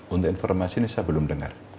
untuk informasi ini saya belum dengar